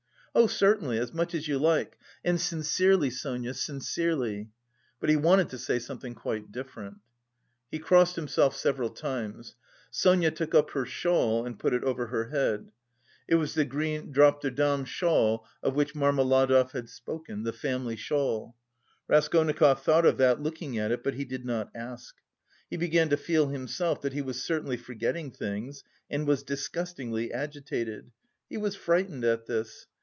"Oh certainly, as much as you like! And sincerely, Sonia, sincerely...." But he wanted to say something quite different. He crossed himself several times. Sonia took up her shawl and put it over her head. It was the green drap de dames shawl of which Marmeladov had spoken, "the family shawl." Raskolnikov thought of that looking at it, but he did not ask. He began to feel himself that he was certainly forgetting things and was disgustingly agitated. He was frightened at this.